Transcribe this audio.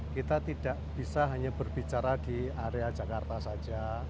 kita tidak bisa hanya berbicara di area jakarta saja